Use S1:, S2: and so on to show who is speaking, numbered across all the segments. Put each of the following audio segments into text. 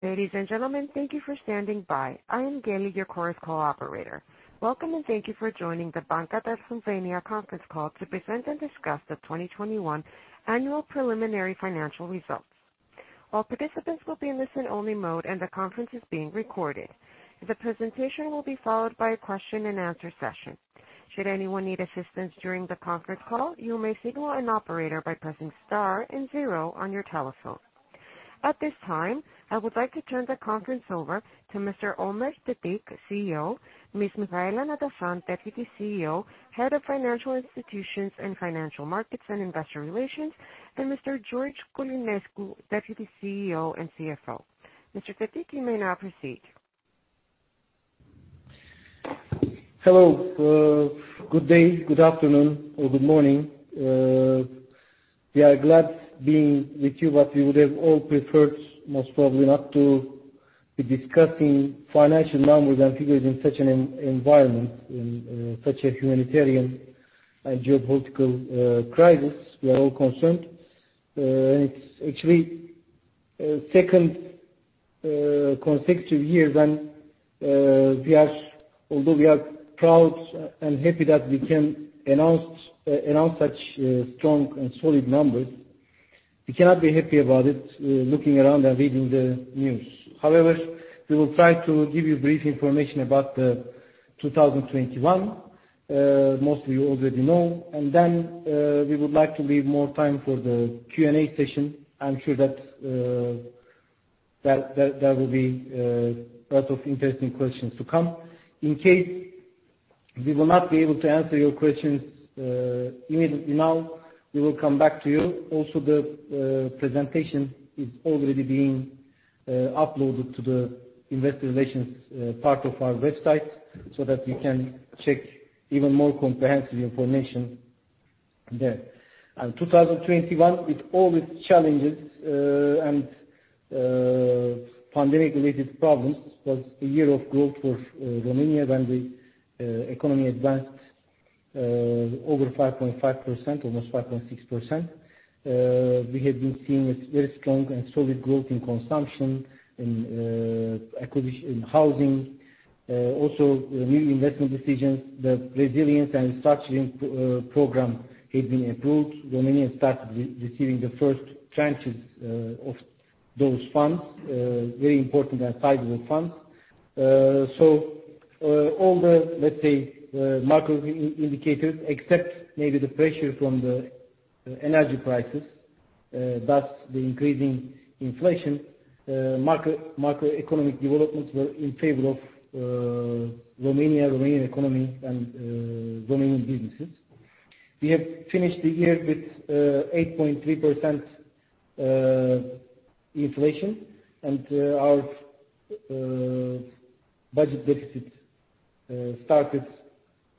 S1: Ladies and gentlemen, thank you for standing by. I am Kelly, your Chorus Call operator. Welcome, and thank you for joining the Banca Transilvania conference call to present and discuss the 2021 annual preliminary financial results. All participants will be in listen-only mode, and the conference is being recorded. The presentation will be followed by a question and answer session. Should anyone need assistance during the conference call, you may signal an operator by pressing star and zero on your telephone. At this time, I would like to turn the conference over to Mr. Ömer Tetik, CEO, Ms. Mihaela Nădășan, Deputy CEO, Head of Financial Institutions and Financial Markets and Investor Relations, and Mr. George Călinescu, Deputy CEO and CFO. Mr. Tetik, you may now proceed.
S2: Hello. Good day, good afternoon or good morning. We are glad being with you, but we would have all preferred, most probably not to be discussing financial numbers and figures in such an environment, in such a humanitarian and geopolitical crisis. We are all concerned. It's actually second consecutive years, and we are—although we are proud and happy that we can announce such strong and solid numbers, we cannot be happy about it, looking around and reading the news. However, we will try to give you brief information about the 2021, most of you already know. Then we would like to leave more time for the Q&A session. I'm sure that that will be a lot of interesting questions to come. In case we will not be able to answer your questions, we will come back to you. Also, the presentation is already being uploaded to the investor relations part of our website so that we can check even more comprehensive information there. 2021, with all its challenges and pandemic-related problems, was a year of growth for Romania when the economy advanced over 5.5%, almost 5.6%. We have been seeing a very strong and solid growth in consumption, in acquisition in housing. New investment decisions, the resilience and structuring program had been approved. Romania started receiving the first tranches of those funds, very important and sizable funds. All the, let's say, market indicators, except maybe the pressure from the energy prices, thus the increasing inflation, market macroeconomic developments were in favor of Romania, Romanian economy and Romanian businesses. We have finished the year with 8.3% inflation. Our budget deficit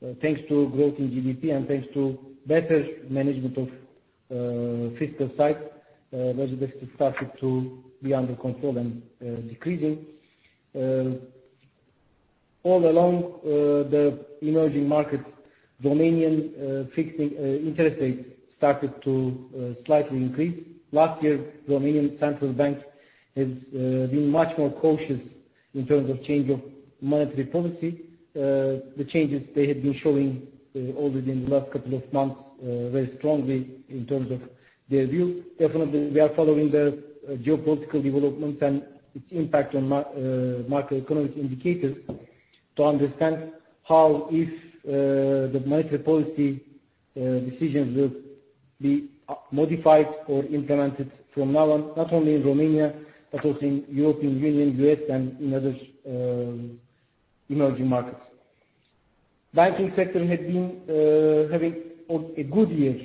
S2: started to be under control and decreasing, thanks to growth in GDP and better management of the fiscal side. All along the emerging markets, Romanian fixed interest rates started to slightly increase. Last year, National Bank of Romania has been much more cautious in terms of change of monetary policy. The changes they have been showing already in the last couple of months very strongly in terms of their view. Definitely, we are following the geopolitical developments and its impact on macroeconomic indicators to understand how if the monetary policy decisions will be modified or implemented from now on, not only in Romania, but also in European Union, U.S., and in other emerging markets. Banking sector had been having a good year,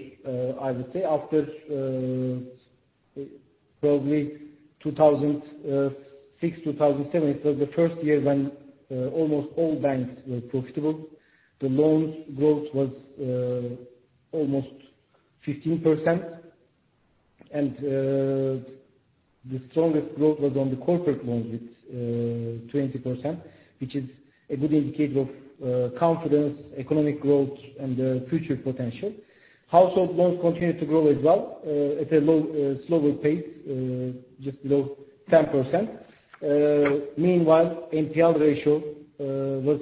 S2: I would say, after probably 2006, 2007. It was the first year when almost all banks were profitable. The loans growth was almost 15%. The strongest growth was on the corporate loans with 20%, which is a good indicator of confidence, economic growth, and future potential. Household loans continued to grow as well at a slower pace just below 10%. Meanwhile, NPL ratio was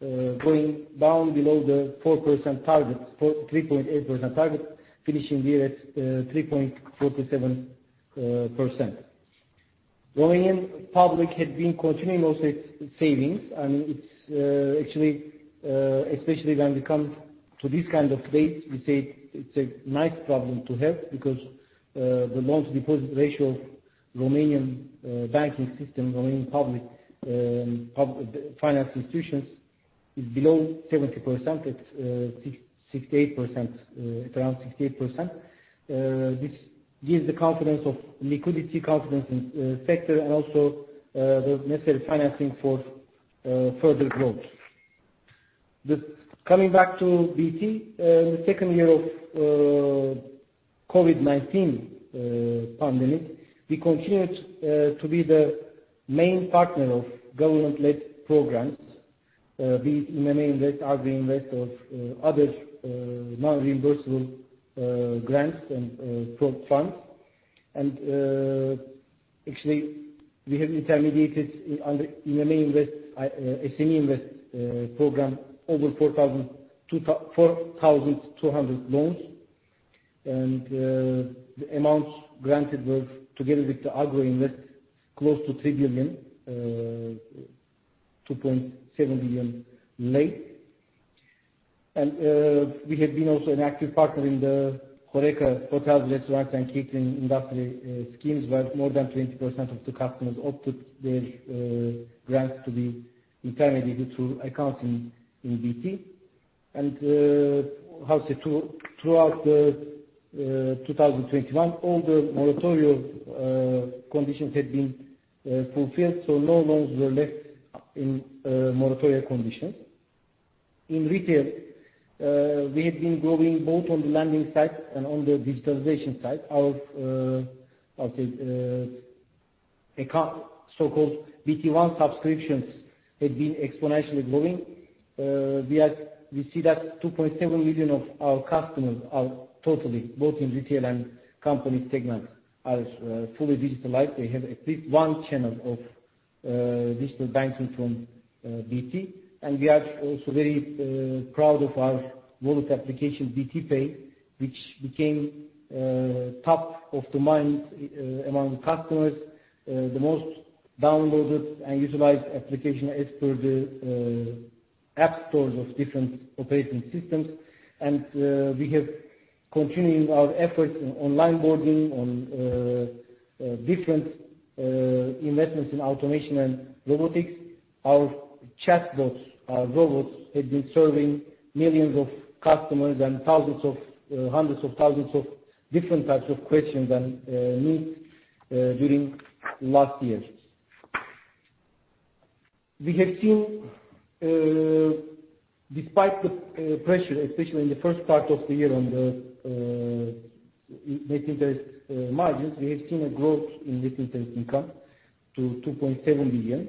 S2: going down below the 4% target, 3.8% target, finishing the year at 3.47%. Romanian public had been continuously saving, and it's actually, especially when it comes to this kind of data, we say it's a nice problem to have because the loans-to-deposit ratio of Romanian banking system, Romanian public finance institutions is below 70%. It's 68%, it's around 68%. This gives the confidence of liquidity, confidence in sector and also the necessary financing for further growth. Coming back to BT, the second year of COVID-19 pandemic, we continued to be the main partner of government-led programs. These, in the main, are the Invest and other non-reimbursable grants and pro-funds. Actually, we have intermediated under the SME Invest program over 4,200 loans. The amounts granted were together with the Agro Invest close to RON 3 billion, RON 2.7 billion. We have been also an active partner in the HORECA hotels, restaurants and catering industry schemes, where more than 20% of the customers opted their grants to be intermediated through accounts in BT. Throughout 2021, all the moratoria conditions had been fulfilled, so no loans were left in moratoria conditions. In retail, we had been growing both on the lending side and on the digitalization side. Our so-called BT One subscriptions had been exponentially growing. We see that 2.7 million of our customers are totally, both in retail and company segments, fully digitalized. They have at least one channel of digital banking from BT. We are also very proud of our wallet application, BT Pay, which became top of the mind among the customers, the most downloaded and utilized application as per the app stores of different operating systems. We have continuing our efforts on onboarding, on different investments in automation and robotics. Our chatbots, our robots have been serving millions of customers and thousands of hundreds of thousands of different types of questions and needs during last years. We have seen, despite the pressure, especially in the first part of the year on the net interest margins, we have seen a growth in net interest income to RON 2.7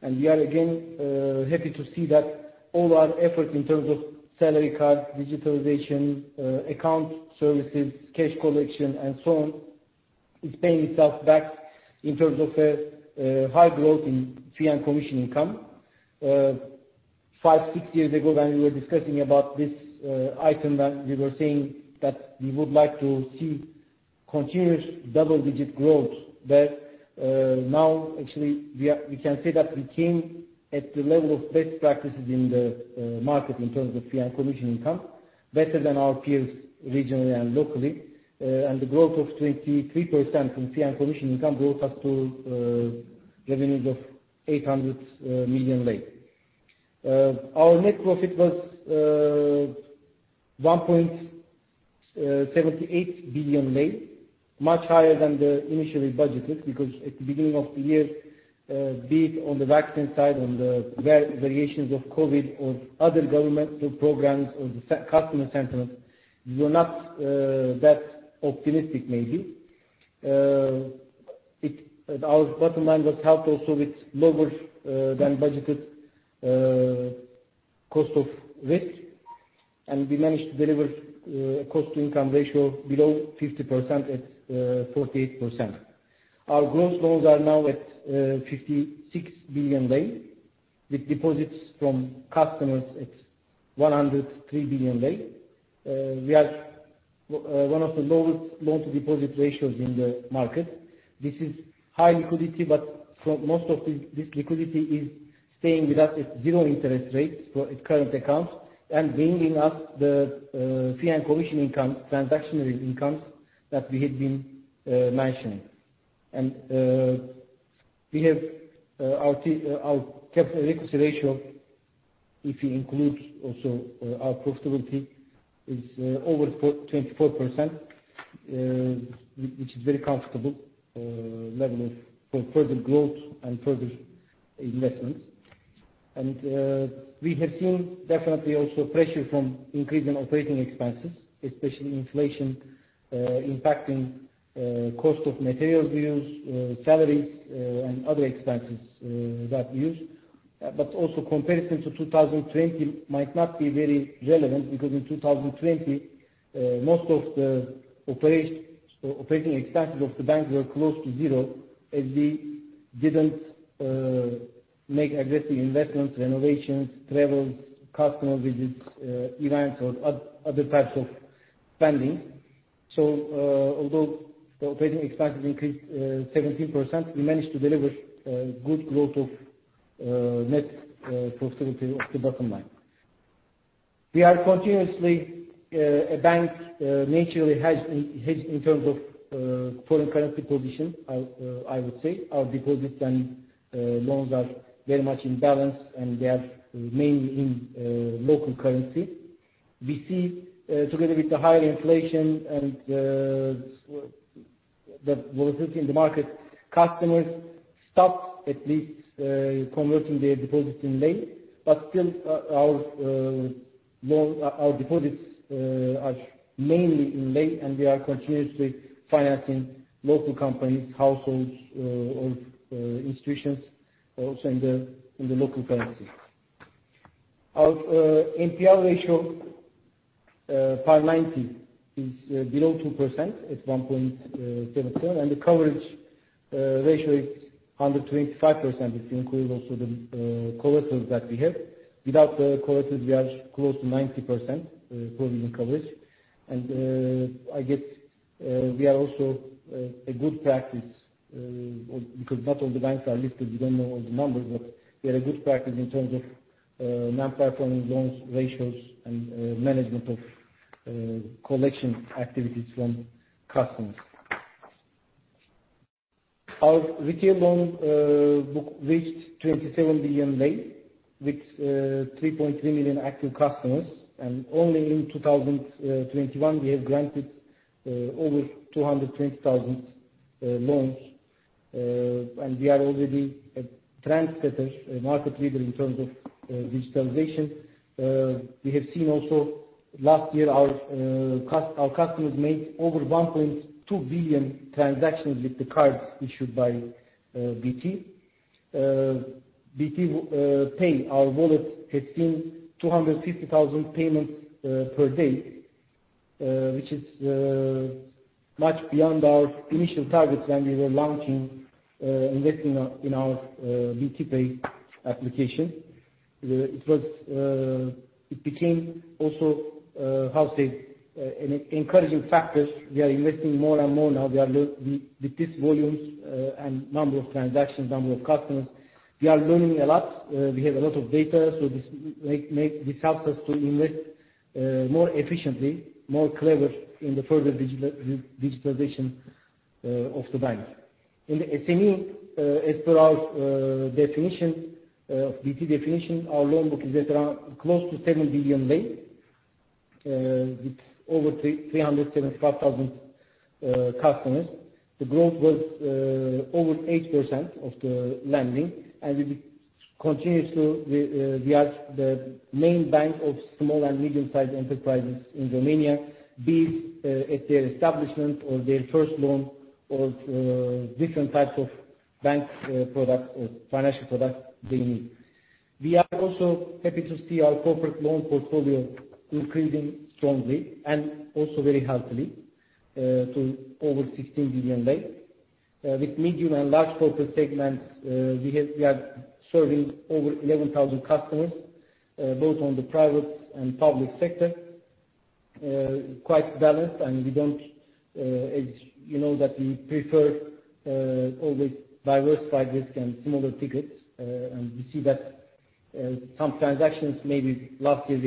S2: billion. We are again happy to see that all our efforts in terms of salary cards, digitalization, account services, cash collection, and so on, is paying itself back in terms of a high growth in fee and commission income. Five, six years ago when we were discussing about this item, when we were saying that we would like to see continuous double-digit growth, but now actually we can say that we came at the level of best practices in the market in terms of fee and commission income, better than our peers regionally and locally. The growth of 23% in fee and commission income brought us to revenues of RON 800 million. Our net profit was RON 1.78 billion, much higher than the initially budgeted, because at the beginning of the year, be it on the vaccine side, on the variations of COVID or other governmental programs or the customer sentiment, we were not that optimistic maybe. Our bottom line was helped also with lower than budgeted cost of risk. We managed to deliver a cost-to-income ratio below 50% at 48%. Our gross loans are now at RON 56 billion, with deposits from customers at RON 103 billion. We are one of the lowest loan-to-deposit ratios in the market. This is high liquidity, but for most of this liquidity is staying with us at 0% interest rates for its current accounts and bringing us the fee and commission income, transactional incomes that we had been mentioning. We have our capital adequacy ratio, if you include also our profitability, is over 24%, which is very comfortable level for further growth and further investments. We have seen definitely also pressure from increase in operating expenses, especially inflation, impacting cost of materials we use, salaries, and other expenses that we use. Comparison to 2020 might not be very relevant, because in 2020, most of the operating expenses of the bank were close to zero, as we didn't make aggressive investments, renovations, travels, customer visits, events or other types of spending. Although the operating expenses increased 17%, we managed to deliver good growth of net profitability of the bottom line. We are continuously a bank naturally hedged in terms of foreign currency position, I would say. Our deposits and loans are very much in balance, and they are mainly in local currency. We see together with the higher inflation and the volatility in the market, customers stopped at least converting their deposits in lei. Still, our deposits are mainly in lei, and we are continuously financing local companies, households, or institutions also in the local currency. Our NPL ratio, PAR90 is below 2%. It's 1.7%, and the coverage ratio is 125% if you include also the collaterals that we have. Without the collaterals we are close to 90% provision coverage. I guess we are also a good practice or because not all the banks are listed, we don't know all the numbers. We are a good practice in terms of non-performing loans ratios and management of collection activities from customers. Our retail loan book reached RON 27 billion with 3.3 million active customers. Only in 2021, we have granted over 220,000 loans. We are already a trendsetter, a market leader in terms of digitalization. We have seen also last year our customers made over 1.2 billion transactions with the cards issued by BT. BT Pay, our wallet, has seen 250,000 payments per day, which is much beyond our initial targets when we were launching, investing in our BT Pay application. It became also an encouraging factor. We are investing more and more now. We are learning with these volumes and number of transactions, number of customers, we are learning a lot. We have a lot of data, so this makes this helps us to invest more efficiently, more clever in the further digitalization of the bank. In the SME, as per our BT definition, our loan book is at around close to RON 7 billion with over 375,000 customers. The growth was over 8% of the lending, and we continue to be the main bank of small and medium sized enterprises in Romania. Be it at their establishment or their first loan or different types of bank products or financial products they need. We are also happy to see our corporate loan portfolio increasing strongly and also very healthily to over RON 16 billion. With medium and large corporate segments, we are serving over 11,000 customers both on the private and public sector. Quite balanced, and we don't, as you know, that we prefer always diversify risk and smaller tickets. And we see that some transactions maybe last year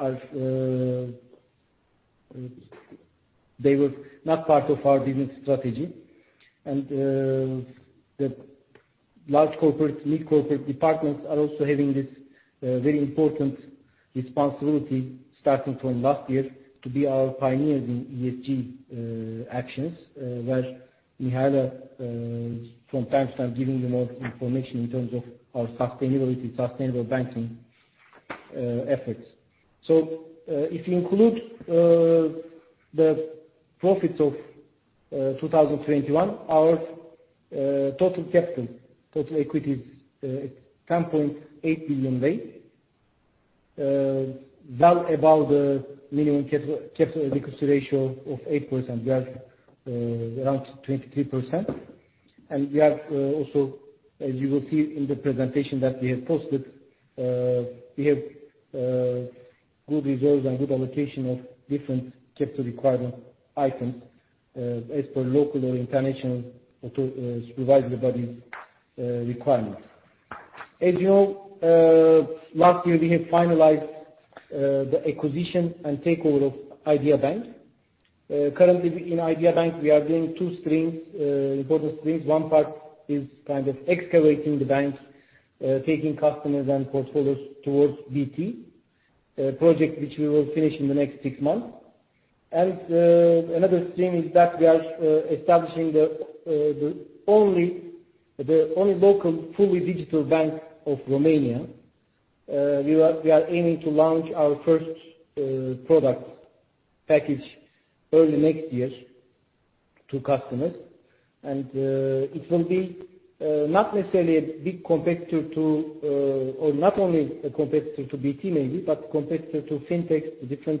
S2: we have missed are they were not part of our business strategy. The large corporate, mid-corporate departments are also having this very important responsibility starting from last year to be our pioneers in ESG actions. Where we had a from time to time giving you more information in terms of our sustainability, sustainable banking efforts. If you include the profits of 2021, our total capital, total equity is RON 10.8 billion, well above the minimum capital adequacy ratio of 8%. We are around 23%. We are also, as you will see in the presentation that we have posted, we have good results and good allocation of different capital requirement items, as per local or international authorities, supervisory bodies requirements. As you know, last year we have finalized the acquisition and takeover of Idea Bank. Currently in Idea Bank we are doing two streams, important streams. One part is kind of integrating the banks, taking customers and portfolios towards BT, a project which we will finish in the next six months. Another stream is that we are establishing the only local fully digital bank of Romania. We are aiming to launch our first product package early next year to customers. It will be not necessarily a big competitor to or not only a competitor to BT maybe, but competitor to fintech, to different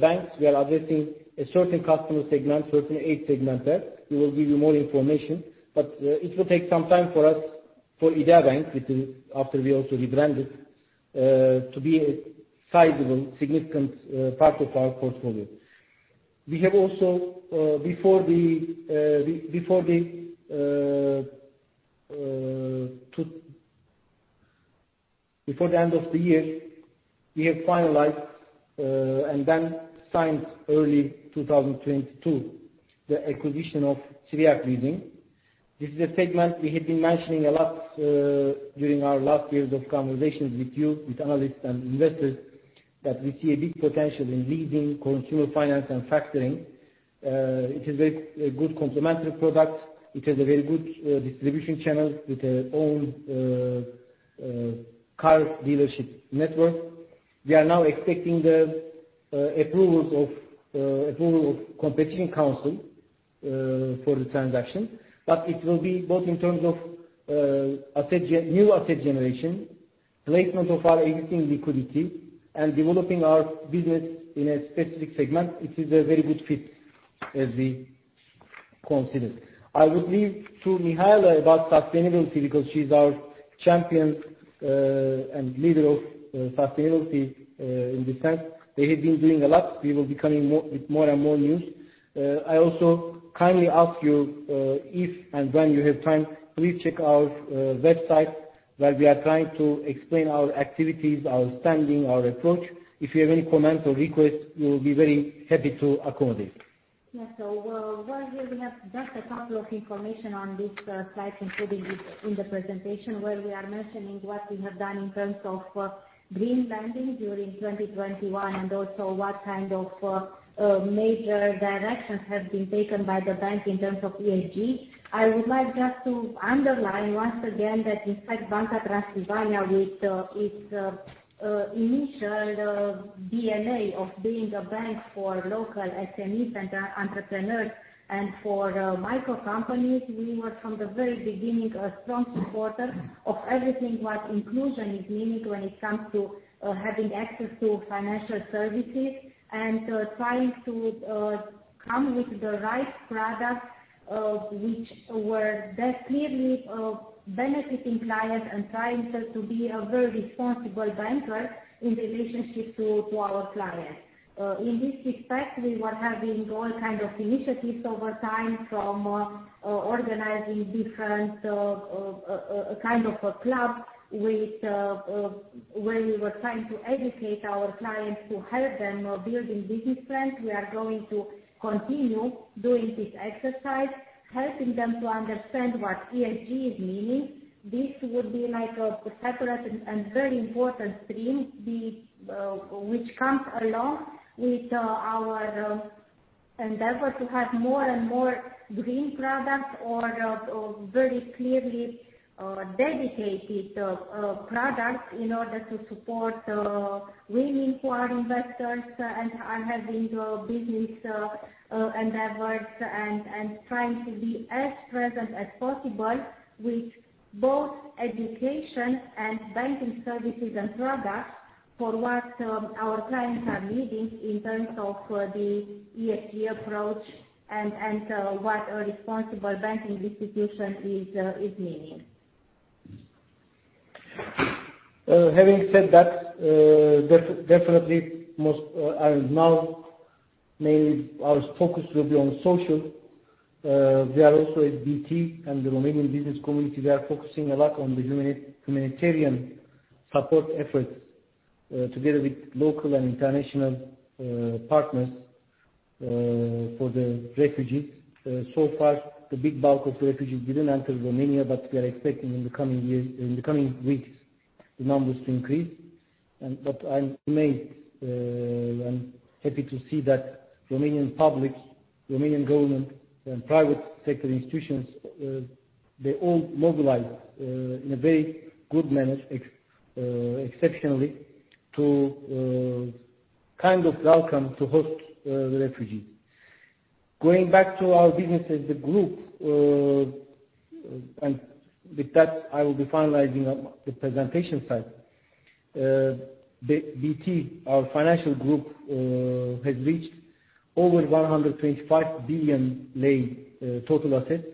S2: banks. We are addressing a certain customer segment, certain age segment there. We will give you more information, but it will take some time for us, for Idea Bank, which is after we also rebrand it, to be a sizable, significant part of our portfolio. We have also before the end of the year, we have finalized and then signed early 2022 the acquisition of Țiriac Leasing. This is a segment we have been mentioning a lot during our last years of conversations with you, with analysts and investors, that we see a big potential in leasing, consumer finance and factoring. It is a good complementary product. It has a very good distribution channel with their own car dealership network. We are now expecting the approval of the competition council for the transaction. It will be both in terms of new asset generation, placement of our existing liquidity and developing our business in a specific segment which is a very good fit as we consider. I would leave to Mihaela about sustainability because she's our champion and leader of sustainability in the bank. They have been doing a lot. We will be coming more, with more and more news. I also kindly ask you, if and when you have time, please check our website where we are trying to explain our activities, our standing, our approach. If you have any comments or requests, we will be very happy to accommodate.
S3: Yeah. While we have just a couple of information on this slide, including it in the presentation where we are mentioning what we have done in terms of green lending during 2021 and also what kind of major directions have been taken by the bank in terms of ESG. I would like just to underline once again that despite Banca Transilvania with its initial DNA of being a bank for local SMEs and entrepreneurs and for micro companies, we were from the very beginning a strong supporter of everything what inclusion is meaning when it comes to having access to financial services and trying to come with the right products which were that clearly benefiting clients and trying to be a very responsible banker in relationship to our clients. In this respect, we were having all kinds of initiatives over time from organizing different kinds of clubs where we were trying to educate our clients to help them build business plans. We are going to continue doing this exercise, helping them to understand what ESG means. This would be like a separate and very important stream with which comes along with our endeavor to have more and more green products or very clearly dedicated products in order to support winning for our investors and are having business endeavors and trying to be as present as possible with both education and banking services and products for what our clients are needing in terms of the ESG approach and what a responsible banking institution is meaning.
S2: Having said that, definitely most, and now mainly our focus will be on social. We are also at BT and the Romanian business community, we are focusing a lot on the humanitarian support efforts, together with local and international partners, for the refugees. So far the big bulk of refugees didn't enter Romania, but we are expecting in the coming years, in the coming weeks the numbers to increase. I'm amazed, I'm happy to see that Romanian public, Romanian government and private sector institutions, they all mobilized, in a very good manner, exceptionally to kind of welcome to host the refugees. Going back to our businesses, the group, and with that I will be finalizing the presentation side. BT, our financial group, has reached over RON 125 billion lei, total assets.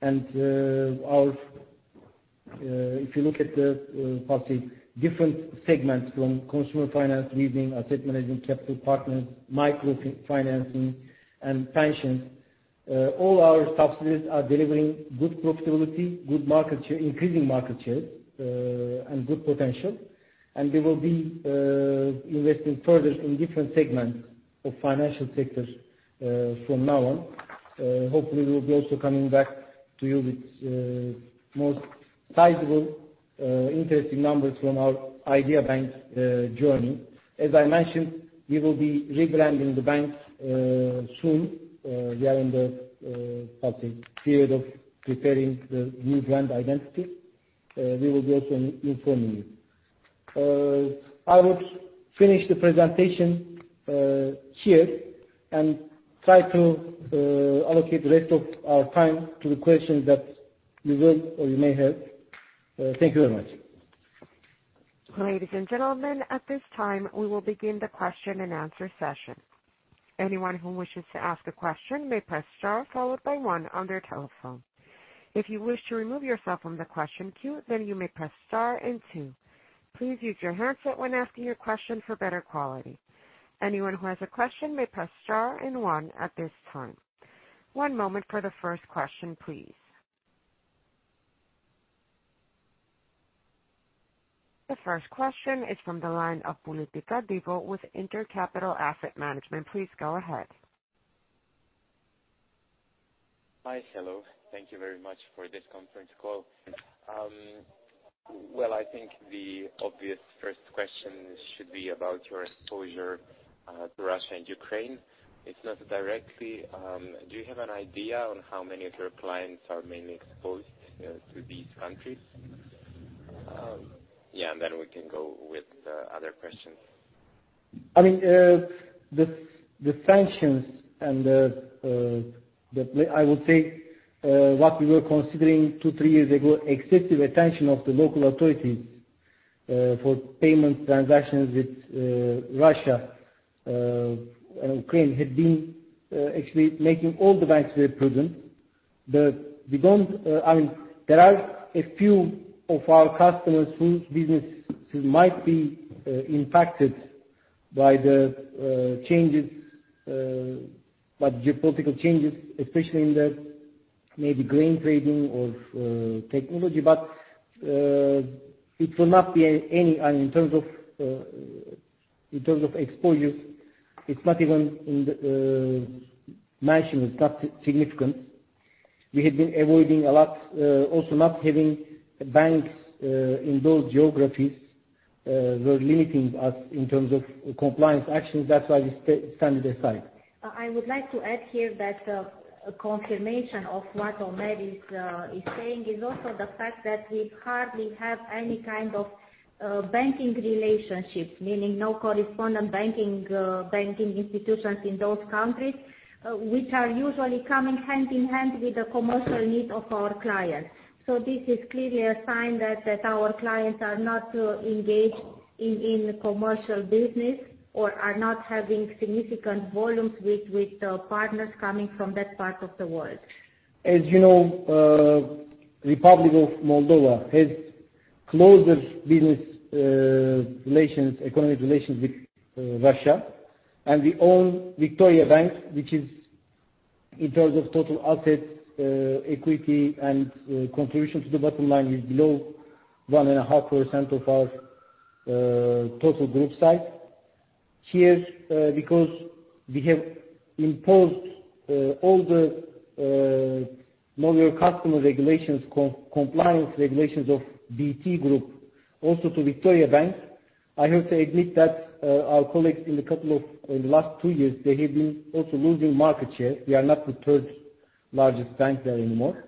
S2: If you look at the, how to say it, different segments from consumer finance, leasing, asset management, capital partners, micro financing and pensions, all our subsidiaries are delivering good profitability, good market share, increasing market share, and good potential. We will be investing further in different segments of financial sectors, from now on. Hopefully we'll be also coming back to you with more sizable interesting numbers from our Idea Bank journey. As I mentioned, we will be rebranding the bank soon. We are in the, how to say, period of preparing the new brand identity. We will be also informing you. I would finish the presentation here and try to allocate the rest of our time to the questions that you will or you may have. Thank you very much.
S1: Ladies and gentlemen, at this time we will begin the question and answer session. Anyone who wishes to ask a question may press star followed by one on their telephone. If you wish to remove yourself from the question queue, then you may press star and two. Please use your handset when asking your question for better quality. Anyone who has a question may press star and one at this time. One moment for the first question, please. The first question is from the line of Pulitika Đivo with InterCapital Asset Management. Please go ahead.
S4: Hi. Hello. Thank you very much for this conference call. Well, I think the obvious first question should be about your exposure to Russia and Ukraine. It's not directly, do you have an idea on how many of your clients are mainly exposed to these countries? Yeah, and then we can go with the other questions.
S2: I mean, the sanctions and I would say what we were considering two, three years ago, excessive attention of the local authorities for payment transactions with Russia and Ukraine had been actually making all the banks very prudent. I mean, there are a few of our customers whose businesses might be impacted by the changes by geopolitical changes, especially in maybe grain trading or technology. But it will not be any in terms of exposure, it's not even mentioned, it's not significant. We had been avoiding a lot, also not having banks in those geographies were limiting us in terms of compliance actions. That's why we standing aside.
S3: I would like to add here that a confirmation of what Ömer is saying is also the fact that we hardly have any kind of banking relationships, meaning no correspondent banking institutions in those countries, which are usually coming hand in hand with the commercial need of our clients. This is clearly a sign that our clients are not engaged in commercial business or are not having significant volumes with the partners coming from that part of the world.
S2: As you know, Republic of Moldova has closest business relations, economic relations with Russia. We own Victoriabank, which is in terms of total assets, equity and contribution to the bottom line is below 1.5% of our total group size. Here, because we have imposed all the know your customer regulations, compliance regulations of BT Group also to Victoriabank. I have to admit that our colleagues in the last two years they have been also losing market share. We are not the third largest bank there anymore.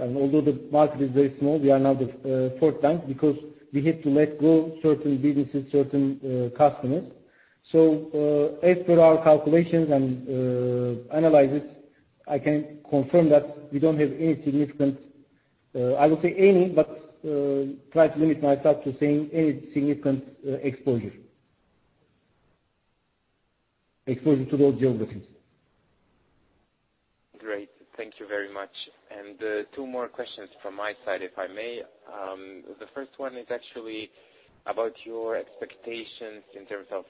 S2: Although the market is very small, we are now the fourth bank because we had to let go certain businesses, certain customers. As per our calculations and analysis, I can confirm that we don't have any significant exposure to those geographies.
S4: Great. Thank you very much. Two more questions from my side, if I may. The first one is actually about your expectations in terms of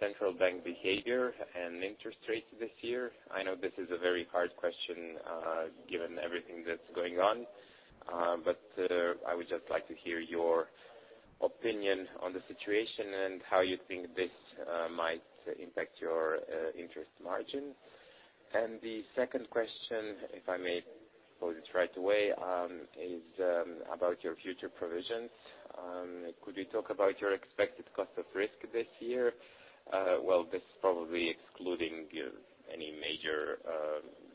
S4: central bank behavior and interest rates this year. I know this is a very hard question, given everything that's going on. I would just like to hear your opinion on the situation and how you think this might impact your interest margin. The second question, if I may pose it right away, is about your future provisions. Could you talk about your expected cost of risk this year? This, probably excluding any major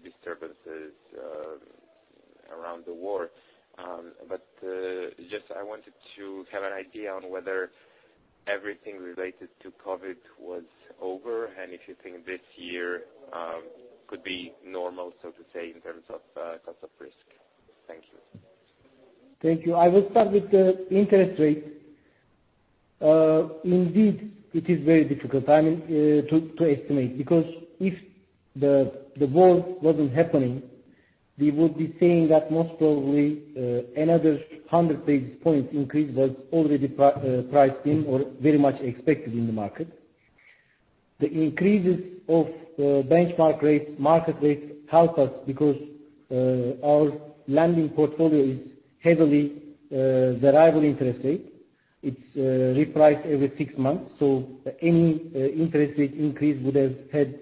S4: disturbances around the war. I just wanted to have an idea on whether everything related to COVID was over and if you think this year could be normal, so to say, in terms of cost of risk. Thank you.
S2: Thank you. I will start with the interest rate. Indeed, it is very difficult, I mean, to estimate. Because if the war wasn't happening, we would be saying that most probably another 100 basis points increase was already priced in or very much expected in the market. The increases of benchmark rates, market rates help us because our lending portfolio is heavily variable interest rate. It's repriced every six months. So any interest rate increase would have had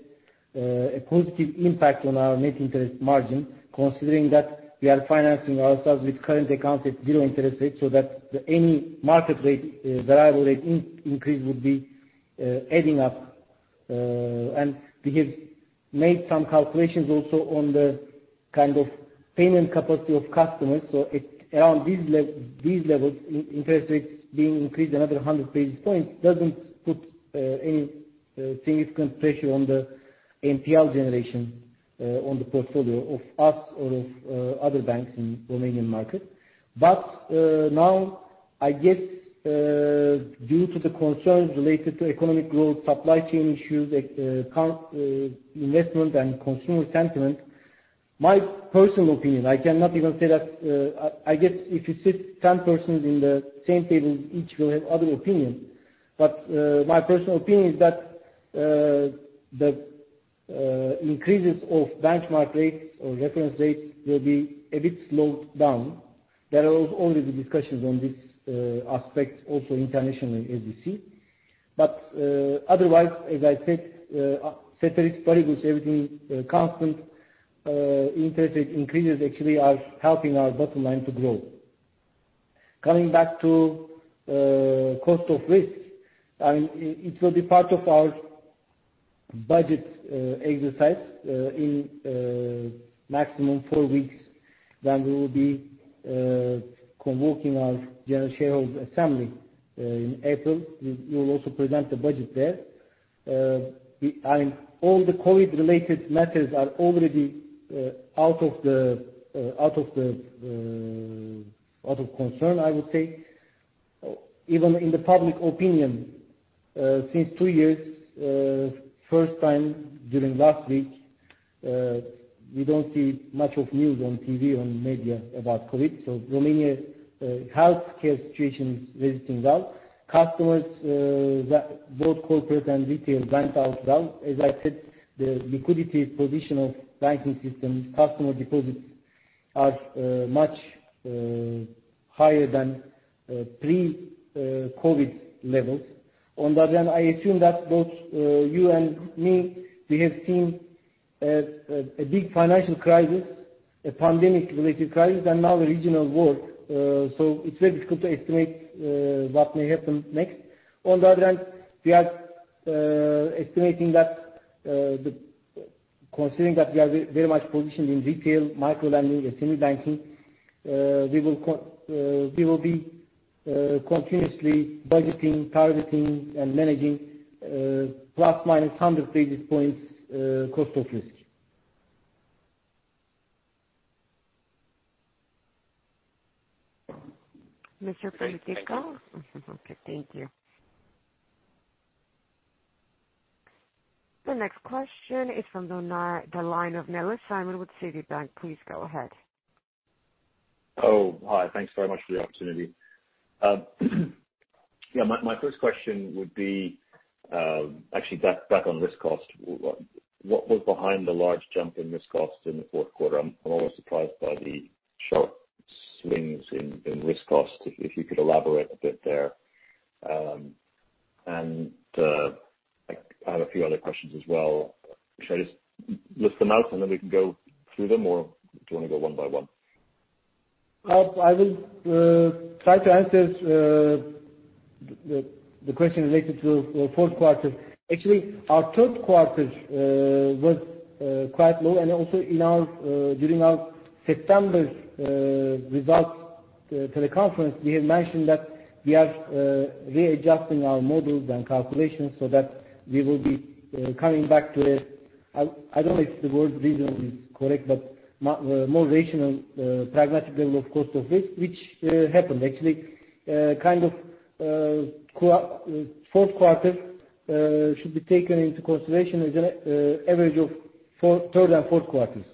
S2: a positive impact on our net interest margin, considering that we are financing ourselves with current accounts at zero interest rate, so that any market rate variable rate increase would be adding up. We have made some calculations also on the kind of payment capacity of customers. It's around these levels. Interest rates being increased another 100 basis points doesn't put any significant pressure on the NPL generation, on our portfolio or other banks in the Romanian market. Now, I guess, due to the concerns related to economic growth, supply chain issues, cost, investment and consumer sentiment, my personal opinion, I cannot even say that, I guess if you sit 10 persons in the same table, each will have a different opinion. My personal opinion is that the increases of benchmark rates or reference rates will be a bit slowed down. There will only be discussions on this aspect also internationally as you see. Otherwise, as I said
S4: Thank you.
S1: Okay, thank you. The next question is from the line of Nellis Simon with Citibank. Please go ahead.
S5: Oh, hi. Thanks very much for the opportunity. Yeah, my first question would be, actually back on risk cost. What was behind the large jump in risk cost in the Q4? I'm always surprised by the sharp swings in risk cost, if you could elaborate a bit there. I have a few other questions as well. Should I just list them out, and then we can go through them or do you wanna go one by one?
S2: I will try to answer the question related to the Q4. Actually, our Q3 was quite low. Also during our September's results teleconference, we had mentioned that we are readjusting our models and calculations so that we will be coming back to, I don't know if the word reasonable is correct, but more rational, pragmatic level of cost of risk, which happened. Actually, the Q4 should be taken into consideration as an average of the third and Q4s.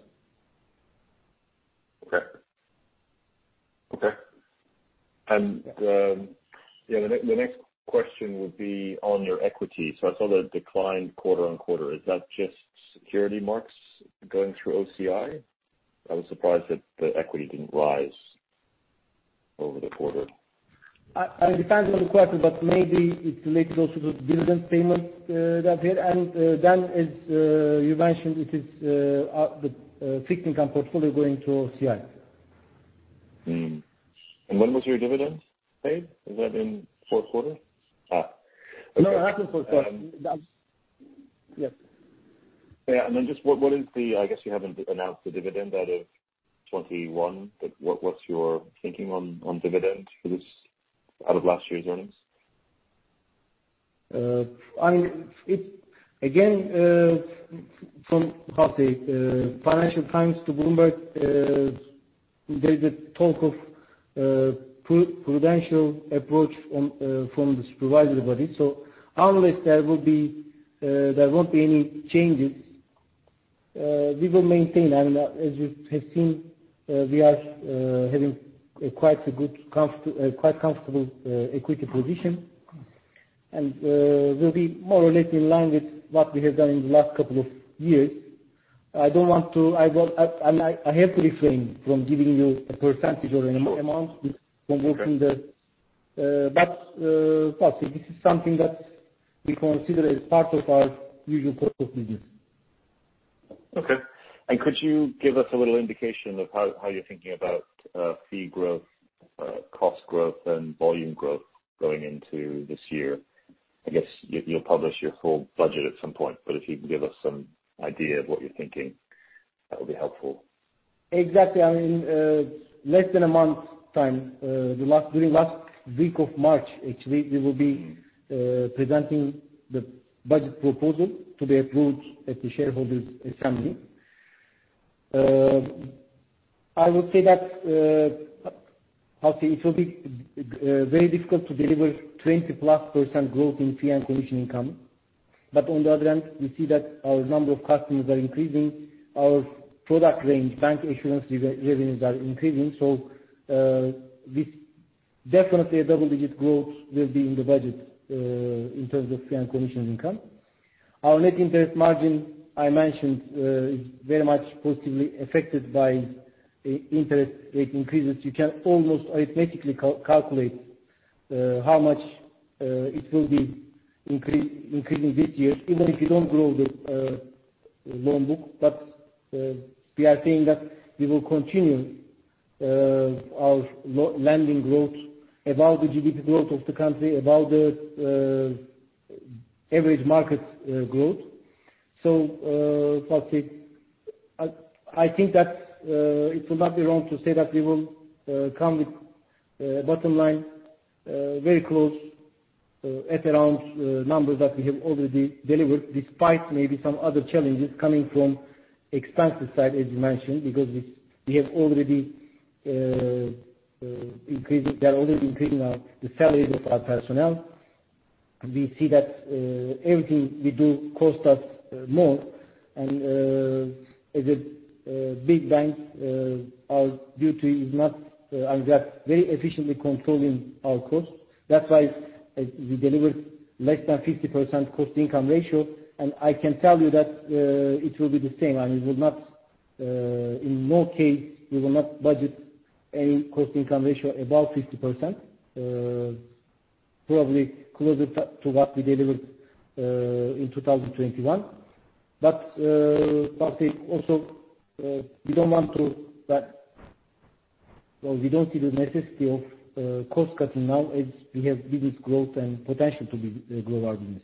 S5: Okay. Yeah, the next question would be on your equity. I saw the decline quarter-on-quarter. Is that just security marks going through OCI? I was surprised that the equity didn't rise over the quarter.
S2: It depends on the quarter, but maybe it's related also to dividend payment. As you mentioned, it is our fixed income portfolio going to OCI.
S5: When was your dividend paid? Was that in Q4? Okay.
S2: No, it happened Q4.
S5: Um.
S2: That's. Yes.
S5: Yeah. Just what is the, I guess you haven't announced the dividend out of 2021, but what's your thinking on dividend for this out of last year's earnings?
S2: Again, from, how say, Financial Times to Bloomberg, there's a talk of prudential approach from the supervisory body. Unless there will be, there won't be any changes, we will maintain. As you have seen, we are having quite comfortable equity position. We'll be more or less in line with what we have done in the last couple of years. I have to refrain from giving you a percentage or an amount from working the
S5: Okay.
S2: This is something that we consider as part of our usual course of business.
S5: Okay. Could you give us a little indication of how you're thinking about fee growth, cost growth, and volume growth going into this year? I guess you'll publish your full budget at some point, but if you can give us some idea of what you're thinking, that would be helpful.
S2: Exactly. I mean, less than a month time, during last week of March, actually, we will be presenting the budget proposal to be approved at the shareholders' assembly. I would say that it will be very difficult to deliver 20%+ growth in fee and commission income. On the other hand, we see that our number of customers are increasing. Our product range, bank insurance revenues are increasing. This definitely a double-digit growth will be in the budget in terms of fee and commission income. Our net interest margin, I mentioned, is very much positively affected by interest rate increases. You can almost arithmetically calculate how much it will be increasing this year, even if you don't grow the loan book. We are seeing that we will continue our lending growth above the GDP growth of the country, above the average market growth. Patrick, I think that it will not be wrong to say that we will come with bottom line very close at around numbers that we have already delivered, despite maybe some other challenges coming from expense side, as you mentioned. Because we are already increasing our the salaries of our personnel. We see that everything we do costs us more and as a big bank our duty is not and we are very efficiently controlling our costs. That's why we delivered less than 50% cost income ratio, and I can tell you that it will be the same. We will not in no case budget any cost-to-income ratio above 50%, probably closer to what we delivered in 2021. Patrick, also, we don't want to, but well, we don't see the necessity of cost cutting now as we have business growth and potential to grow our business.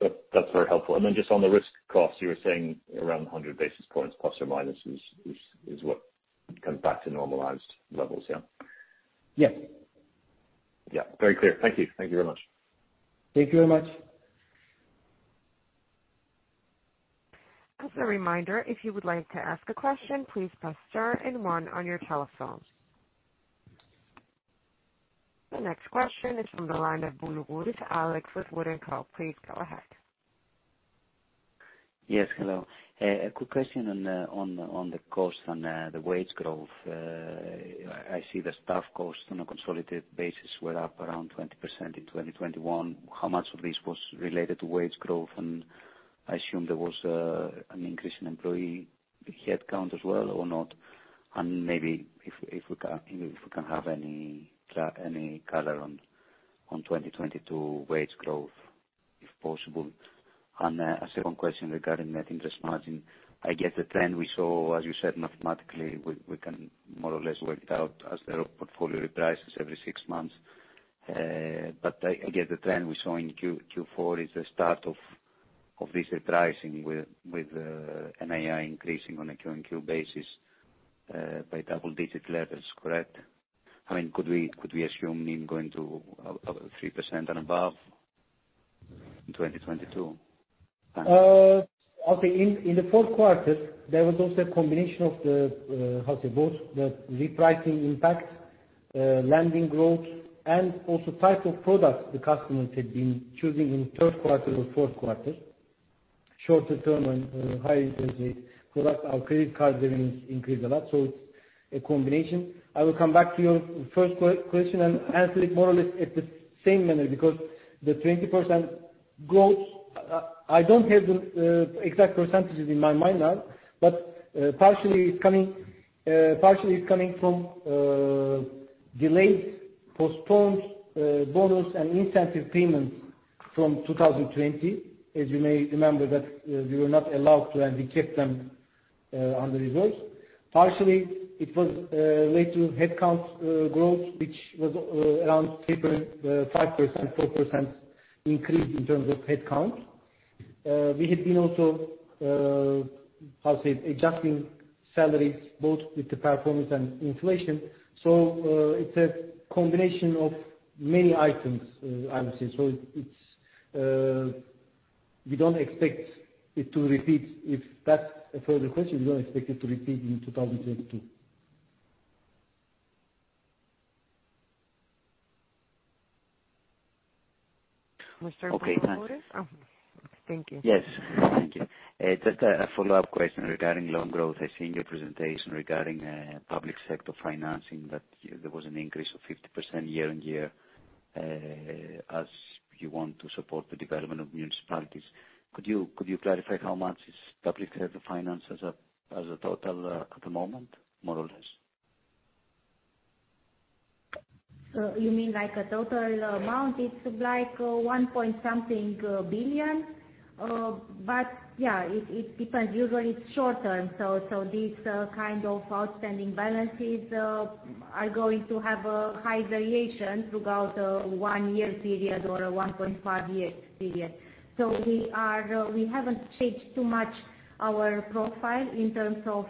S5: That's very helpful. Then just on the risk costs, you were saying around 100 basis points ± is what comes back to normalized levels, yeah?
S2: Yes.
S5: Yeah. Very clear. Thank you. Thank you very much.
S2: Thank you very much.
S1: As a reminder, if you would like to ask a question, please press star and one on your telephone. The next question is from the line of Boulougouris Alex with Wood & Company. Please go ahead.
S6: Yes. Hello. A quick question on the costs on the wage growth. I see the staff costs on a consolidated basis were up around 20% in 2021. How much of this was related to wage growth? I assume there was an increase in employee headcount as well or not, and maybe if we can have any color on 2022 wage growth, if possible. A second question regarding net interest margin. I get the trend we saw, as you said. Mathematically, we can more or less work it out as the portfolio reprices every six months. I get the trend we saw in Q4 is the start of this repricing with NII increasing on a quarter-on-quarter basis by double-digit levels, correct? I mean, could we assume NIM going to 3% and above in 2022?
S2: Okay. In the Q4, there was also a combination of both the repricing impact, lending growth and also type of products the customers had been choosing in Q3 or Q4, shorter term and higher interest rate products. Our credit card revenues increased a lot, so it's a combination. I will come back to your first question and answer it more or less in the same manner because the 20% growth, I don't have the exact percentages in my mind now, but partially it's coming from delayed, postponed bonus and incentive payments from 2020. As you may remember that we were not allowed to, and we kept them on the results. Partially, it was related to headcount growth, which was around 3.5%-4% increase in terms of headcount. We had been also adjusting salaries both with the performance and inflation. It's a combination of many items, I would say. We don't expect it to repeat. If that's a further question, we don't expect it to repeat in 2022.
S1: We'll start with new queries.
S6: Okay, thanks.
S1: Oh, thank you.
S6: Yes. Thank you. Just a follow-up question regarding loan growth. I've seen your presentation regarding public sector financing, that there was an increase of 50% year-on-year as you want to support the development of municipalities. Could you clarify how much is public sector finance as a total at the moment, more or less?
S3: You mean like a total amount?
S6: Yes.
S3: It's like RON 1-something billion. Yeah, it depends. Usually it's short term, so these kind of outstanding balances are going to have a high variation throughout a one-year period or a 1.5-year period. We haven't changed too much our profile in terms of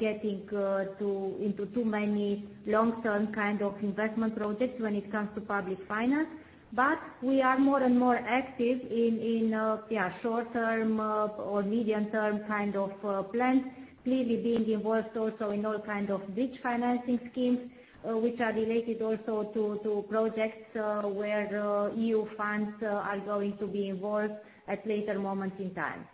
S3: getting into too many long-term kind of investment projects when it comes to public finance. We are more and more active in short-term or medium-term kind of plans. Clearly being involved also in all kind of bridge financing schemes, which are related also to projects where the EU funds are going to be involved at later moment in time.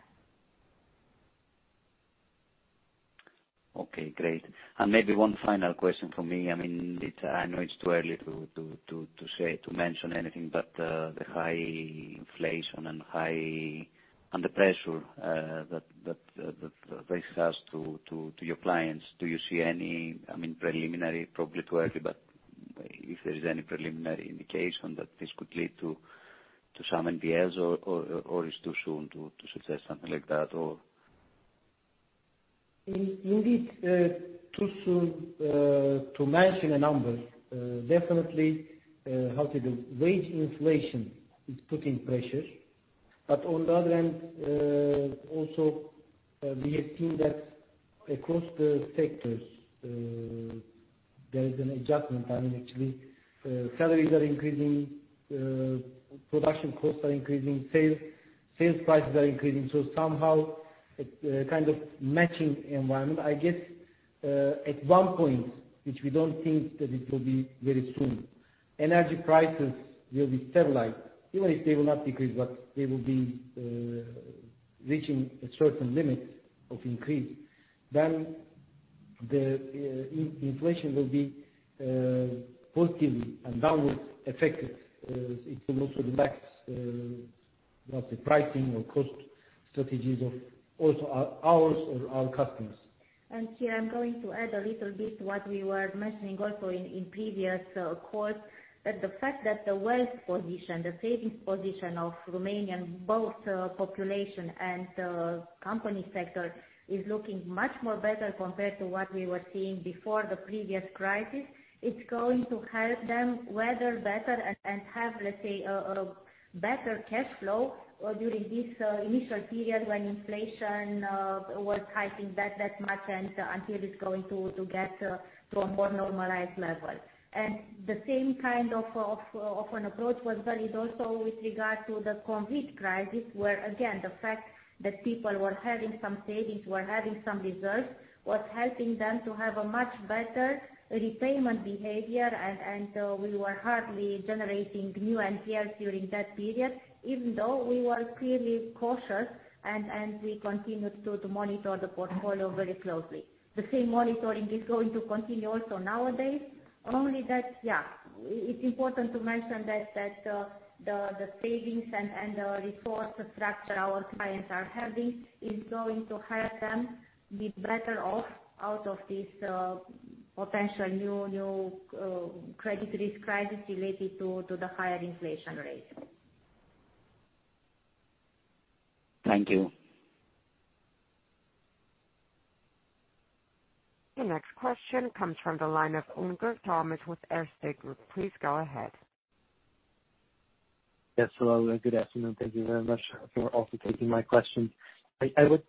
S6: Okay, great. Maybe one final question from me. I mean, I know it's too early to say, to mention anything, but the high inflation and high under pressure that this has on your clients, do you see any, I mean, preliminary, probably too early, but if there is any preliminary indication that this could lead to some NPLs or it's too soon to suggest something like that or?
S2: Indeed, too soon to mention a number. Definitely, wage inflation is putting pressure. On the other hand, also, we have seen that across the sectors, there is an adjustment. I mean, actually, salaries are increasing, production costs are increasing, sales prices are increasing. Somehow it kind of matching environment. I guess, at one point, which we don't think that it will be very soon, energy prices will be stabilized even if they will not decrease, but they will be reaching a certain limit of increase, then the inflation will be positively and downward affected. It will also relax the pricing or cost strategies of our customers.
S3: Here I'm going to add a little bit what we were mentioning also in previous calls, that the fact that the wealth position, the savings position of Romanian both population and company sector is looking much more better compared to what we were seeing before the previous crisis. It's going to help them weather better and have, let's say, a better cash flow during this initial period when inflation was hiking that much and until it's going to get to a more normalized level. The same kind of an approach was valid also with regard to the COVID crisis, where again, the fact that people were having some savings, were having some reserves, was helping them to have a much better repayment behavior. We were hardly generating new NPLs during that period, even though we were clearly cautious and we continued to monitor the portfolio very closely. The same monitoring is going to continue also nowadays. It's important to mention that the savings and the resource structure our clients are having is going to help them be better off out of this potential new credit risk crisis related to the higher inflation rate.
S6: Thank you.
S1: The next question comes from the line of Unger Thomas with Erste Group. Please go ahead.
S7: Yes, hello, good afternoon. Thank you very much for also taking my question. I would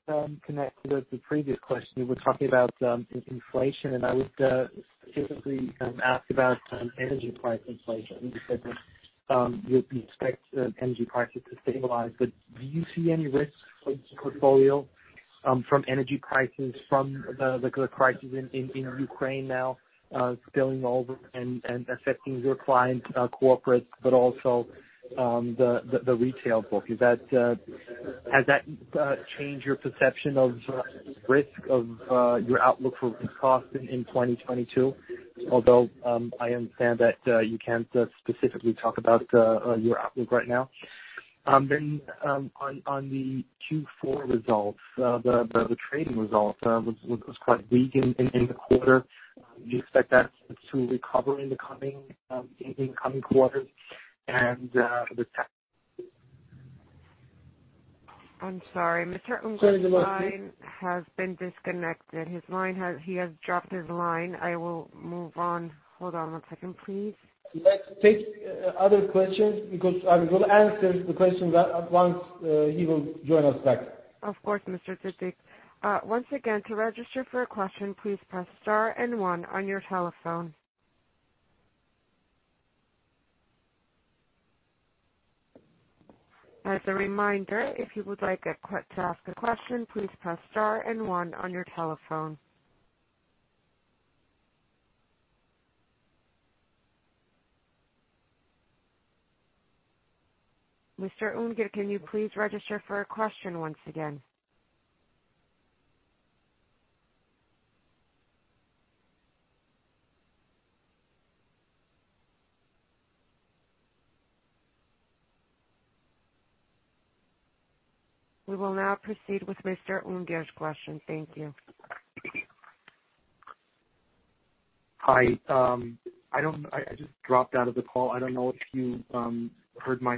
S7: connect with the previous question. You were talking about inflation, and I would specifically ask about energy price inflation. You said that you'd expect energy prices to stabilize. But do you see any risk for this portfolio from energy prices from the gas crisis in Ukraine now spilling over and affecting your clients, corporate, but also the retail book? Has that changed your perception of risk or your outlook for costs in 2022? Although I understand that you can't specifically talk about your outlook right now. On the Q4 results, the trading results was quite weak in the quarter. Do you expect that to recover in the coming quarters?
S1: I'm sorry. Mr. Unger's line has been disconnected. He has dropped his line. I will move on. Hold on one second, please.
S2: Let's take other questions because I will answer the question once, he will join us back.
S1: Of course, Mr. Tetik. Once again, to register for a question, please press star and one on your telephone. As a reminder, if you would like to ask a question, please press star and one on your telephone. Mr. Unger, can you please register for a question once again? We will now proceed with Mr. Unger's question. Thank you.
S7: Hi. I just dropped out of the call. I don't know if you heard my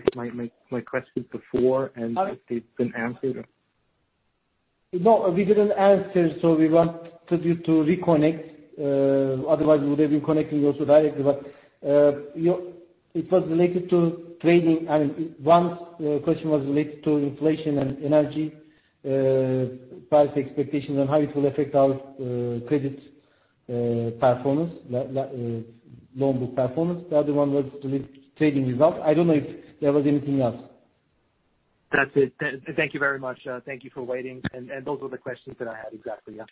S7: question before and if it's been answered or-
S2: No, we didn't answer, so we wanted you to reconnect. Otherwise we would have been connecting you also directly. It was related to trading. I mean, one question was related to inflation and energy price expectations and how it will affect our credit performance, loan book performance. The other one was related to trading results. I don't know if there was anything else.
S7: That's it. Thank you very much. Thank you for waiting. Those were the questions that I had exactly, yeah.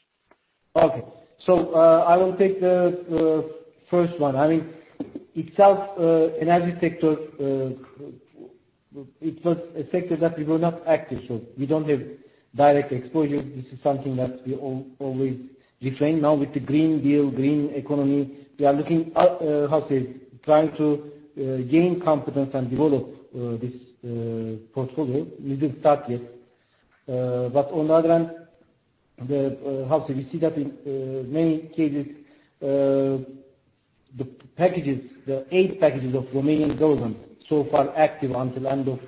S2: Okay. I will take the first one. I mean, itself, energy sector. Well, it was a sector that we were not active, so we don't have direct exposure. This is something that we always refrain. Now, with the Green Deal, green economy, we are looking at trying to gain confidence and develop this portfolio. We didn't start yet. But on the other hand, we see that in many cases, the packages, the eight packages of Romanian government so far active until end of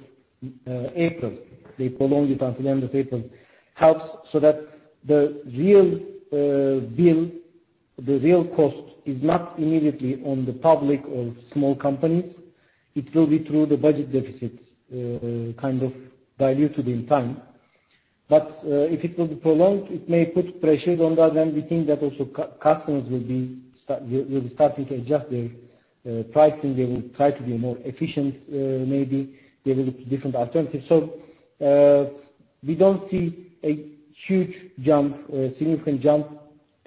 S2: April. They prolong it until end of April, helps so that the real bill, the real cost is not immediately on the public or small companies. It will be through the budget deficits, kind of diluted in time. If it will be prolonged, it may put pressures. On the other hand, we think that also customers will be starting to adjust their pricing. They will try to be more efficient, maybe. They will look to different alternatives. We don't see a huge jump, significant jump,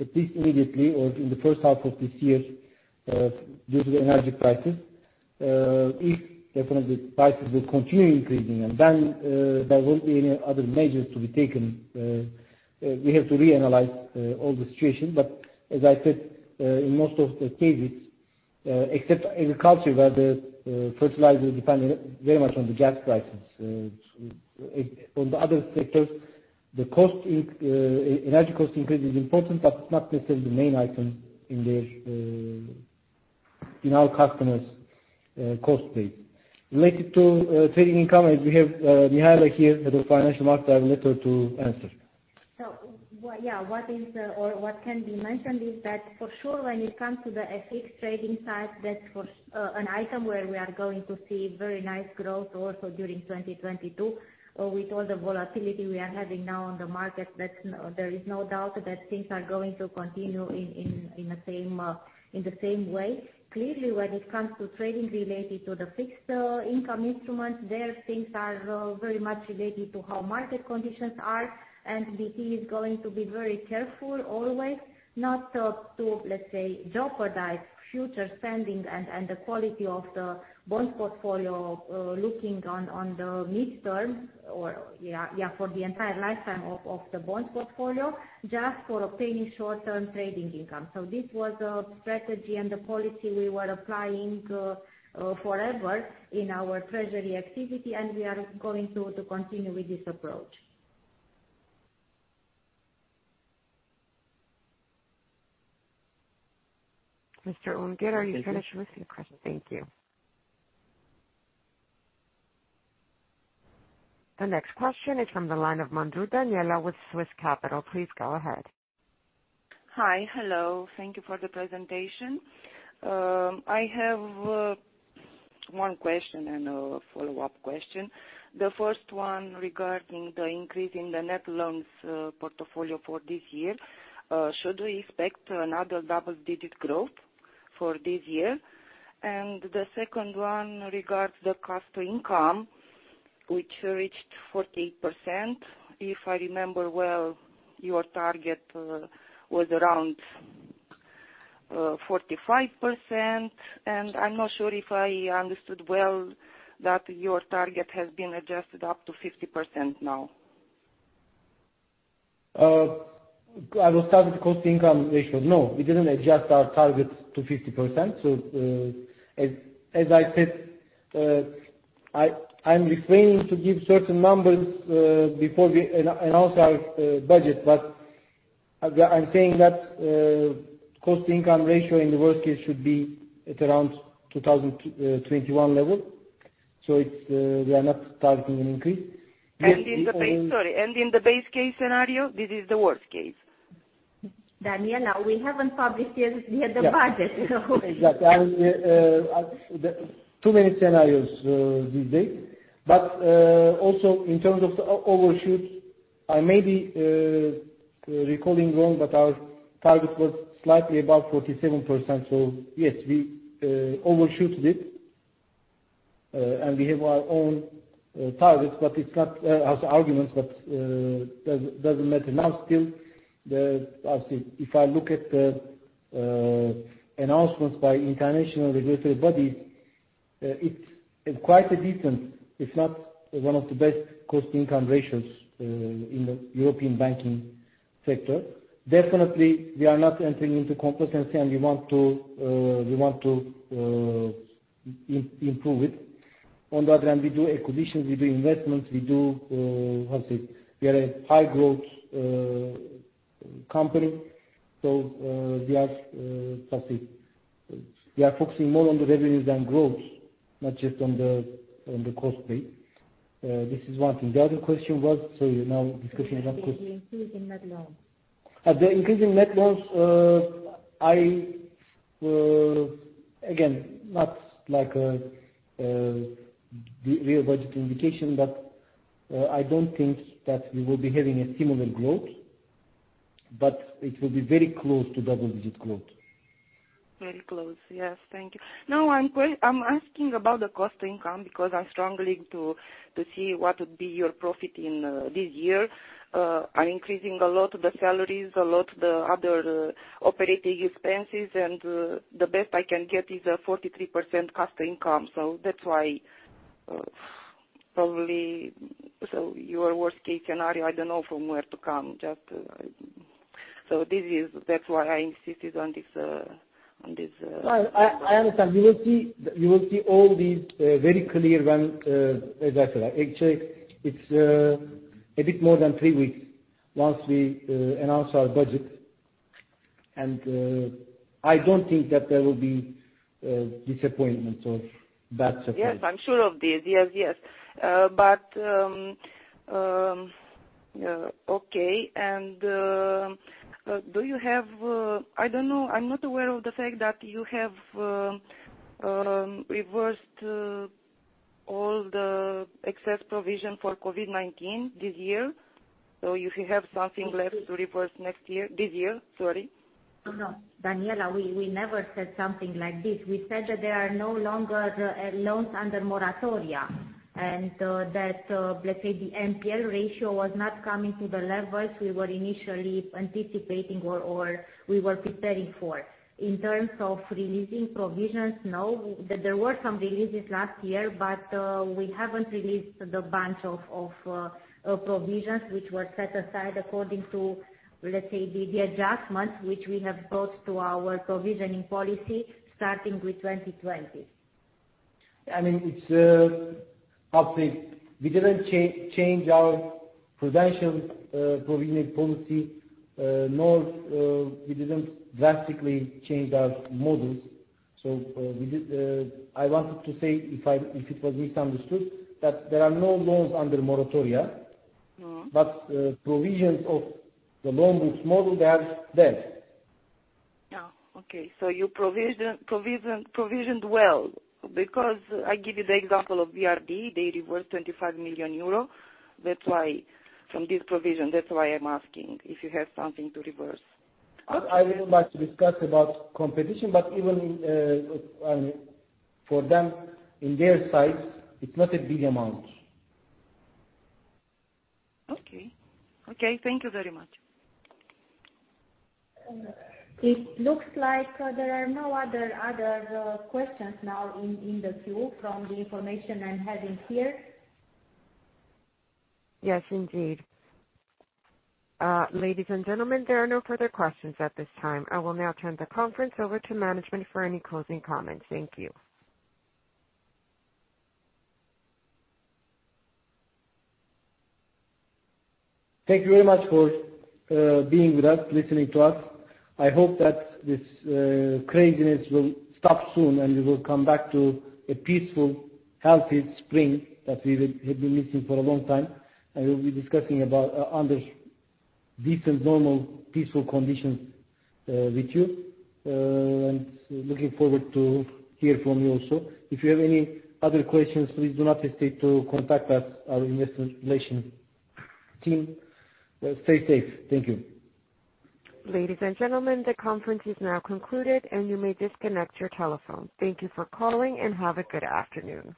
S2: at least immediately or in the H1 of this year due to the energy prices. If definitely prices will continue increasing and then there won't be any other measures to be taken, we have to reanalyze all the situation. As I said, in most of the cases, except agriculture, where the fertilizers depend very much on the gas prices. On the other sectors, the cost/income, energy cost increase is important, but it's not necessarily the main item in our customers' cost base. Related to trading income, we have Mihaela Nădășan here, head of financial markets, better to answer.
S3: What can be mentioned is that for sure, when it comes to the FX trading side, that's an item where we are going to see very nice growth also during 2022. With all the volatility we are having now on the market, there is no doubt that things are going to continue in the same way. Clearly, when it comes to trading related to the fixed income instruments, things are very much related to how market conditions are. BT is going to be very careful always not to, let's say, jeopardize future spending and the quality of the bonds portfolio, looking on the midterm or for the entire lifetime of the bonds portfolio, just for obtaining short-term trading income. This was a strategy and a policy we were applying forever in our treasury activity, and we are going to continue with this approach. Mr. Unger, are you finished with your question? Thank you.
S1: The next question is from the line of Mandru Daniela with Swiss Capital. Please go ahead.
S8: Hi. Hello. Thank you for the presentation. I have one question and a follow-up question. The first one regarding the increase in the net loans portfolio for this year, should we expect another double-digit growth for this year? The second one regards the cost to income, which reached 40%. If I remember well, your target was around 45%, and I'm not sure if I understood well that your target has been adjusted up to 50% now.
S2: I will start with cost income ratio. No, we didn't adjust our target to 50%. As I said, I'm refraining to give certain numbers before we announce our budget. But I'm saying that cost income ratio in the worst case should be at around 2021 level. We are not targeting an increase.
S8: In the base case scenario, this is the worst case?
S3: Daniela, we haven't published yet, we have the budget.
S2: Yeah. Exactly. Too many scenarios this day. Also in terms of overshoots, I may be recalling wrong, but our target was slightly above 47%. Yes, we overshot it. We have our own targets, but it's not an argument, but doesn't matter now. Still, I'll see. If I look at the announcements by international regulatory bodies, it's quite a decent, if not one of the best cost-income ratios in the European banking sector. Definitely, we are not entering into complacency, and we want to improve it. On the other hand, we do acquisitions, we do investments, we do, how do you say, we are a high growth company. We are focusing more on the revenues than growth, not just on the cost base. This is one thing. The other question was? Sorry, now discussion about the-
S8: The increase in net loans.
S2: The increase in net loans, I again, not like a real budget indication, but I don't think that we will be having a similar growth, but it will be very close to double-digit growth.
S8: Very close. Yes. Thank you. No, I'm asking about the cost-to-income because I struggle to see what would be your profit in this year. Are increasing a lot the salaries, a lot the other operating expenses, and the best I can get is a 43% cost-to-income. That's why, probably your worst-case scenario. I don't know from where it comes. Just, that's why I insisted on this.
S2: No, I understand. You will see all these very clear when et cetera. Actually, it's a bit more than three weeks once we announce our budget. I don't think that there will be disappointment or bad surprise.
S8: Yes, I'm sure of this. Yes, yes. Okay. Do you have-? I don't know, I'm not aware of the fact that you have reversed all the excess provision for COVID-19 this year. If you have something left to reverse next year, did you? Sorry.
S3: No. Daniela, we never said something like this. We said that there are no longer loans under moratoria. That, let's say, the NPL ratio was not coming to the levels we were initially anticipating or we were preparing for. In terms of releasing provisions, no. There were some releases last year, but we haven't released the bunch of provisions which were set aside according to, let's say, the adjustments which we have brought to our provisioning policy starting with 2020.
S2: I mean, it's up to. We didn't change our provisions, provisioning policy, nor we didn't drastically change our models. I wanted to say if it was misunderstood, that there are no loans under moratoria.
S8: Mm-hmm.
S2: Provisions of the loan books model, they are there.
S8: Oh, okay. You provisioned well. Because I give you the example of BRD, they reversed 25 million euro from this provision. That's why I'm asking if you have something to reverse.
S2: I wouldn't like to discuss about competition, but even in, for them, in their size, it's not a big amount.
S8: Okay. Okay, thank you very much.
S3: It looks like there are no other questions now in the queue from the information I'm having here.
S1: Yes, indeed. Ladies and gentlemen, there are no further questions at this time. I will now turn the conference over to management for any closing comments. Thank you.
S2: Thank you very much for being with us, listening to us. I hope that this craziness will stop soon and we will come back to a peaceful, healthy spring that we've been missing for a long time. We'll be discussing under decent, normal, peaceful conditions with you. Looking forward to hear from you also. If you have any other questions, please do not hesitate to contact us, our investor relations team. Stay safe. Thank you.
S1: Ladies and gentlemen, the conference is now concluded and you may disconnect your telephone. Thank you for calling, and have a good afternoon.